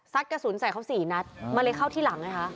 ซักกระสุนใส่เขา๔นัดมาเลยเข้าที่หลัง